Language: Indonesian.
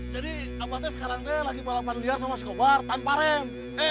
jadi abah teh sekarang teh lagi balapan liar sama sikopar tanpa rem